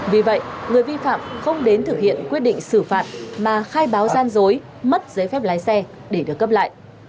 vì vậy người vi phạm không đến thực hiện quyết định xử phạt mà khai báo gian dối mất giấy phép lái xe để được cấp lại